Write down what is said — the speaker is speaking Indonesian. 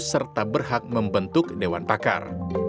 serta berhak membentuk dewan pakar